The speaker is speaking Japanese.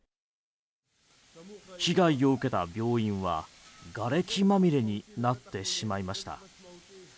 被害を受けた病院はがれきまみれになってしまいました。